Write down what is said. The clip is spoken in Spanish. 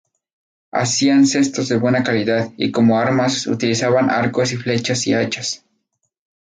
Hacían cestos de buena calidad, y como armas utilizaban arcos y flechas y hachas.